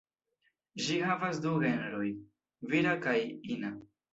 Ĝi havas du genrojn: vira kaj ina.